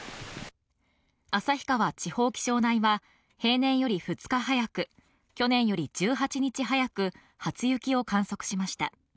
旭川地方気象台は、平年より２日早く、去年より１８日早く初雪を観測しました。